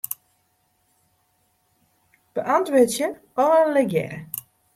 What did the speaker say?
Beäntwurdzje allegearre.